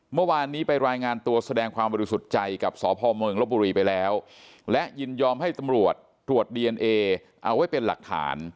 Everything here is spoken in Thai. เมื่อวานนี้ไปรายงานตัวแสดงความบริสุทธิ์ใจกับสพเมืองลบบุรีไปแล้วและยินยอมให้ตำรวจตรวจดีเอนเอเอาไว้เป็นหลักฐาน